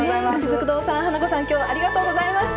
ありがとうございます。